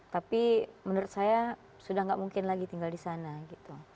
tapi menurut saya sudah tidak mungkin lagi tinggal di sana gitu